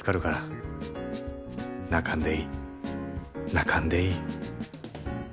泣かんでいい泣かんでいい。